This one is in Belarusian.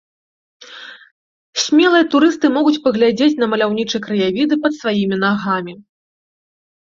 Смелыя турысты могуць паглядзець на маляўнічыя краявіды пад сваімі нагамі.